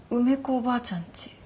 おばあちゃんち。